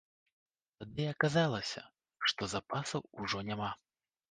Тады і аказалася, што запасаў ужо няма.